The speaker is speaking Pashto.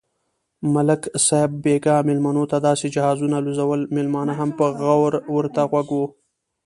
ملک صاحب بیگا مېلمنوته داسې جهازونه الوزول، مېلمانه هم په غور ورته غوږ و.